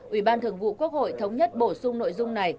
ủy ban thường vụ quốc hội thống nhất bổ sung nội dung này